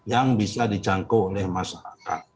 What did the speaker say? yang bisa dijangkau oleh masyarakat